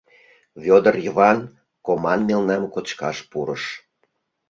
Вӧдыр Йыван коман мелнам кочкаш пурыш.